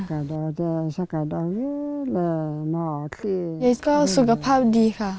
ยายก็สุขภาพดีค่ะ